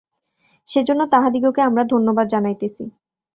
সেজন্য তাঁহাদিগকে আমরা ধন্যবাদ জানাইতেছি।